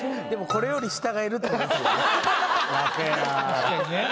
確かにね。